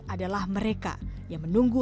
adalah mereka yang menunggu